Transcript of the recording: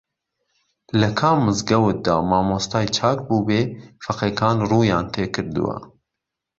لە کام مزگەوتدا مامۆستای چاک بووبێ فەقێکان ڕوویان تێکردووە